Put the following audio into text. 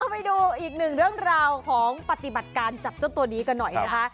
ไปดูอีกหนึ่งเรื่องราวของปฏิบัติการจับเจ้าตัวนี้กันหน่อยนะคะ